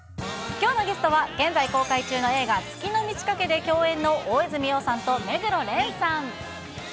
きょうのゲストは、現在公開中の映画、月の満ち欠けで共演の大泉洋さんと目黒蓮さん。